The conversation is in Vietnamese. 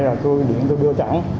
rồi tôi điện tôi đưa cho ông